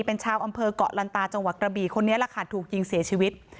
เป็นชาวอำเภอกเกาะลันตาจังหวัดกระบีคนนี้แหละค่ะถูกยิงเสียชีวิต